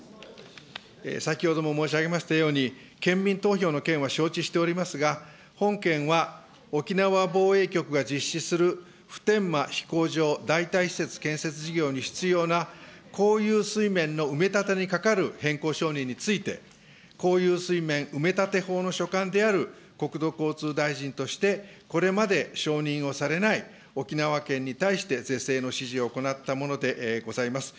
先ほども申し上げましたように、県民投票の件は承知しておりますが、本件は沖縄防衛局が実施する普天間飛行場代替施設建設事業に必要な公有水面の埋め立てにかかる変更承認について、公有水面埋立法の所管である国土交通大臣として、これまで承認をされない沖縄県に対して是正の指示を行ったものでございます。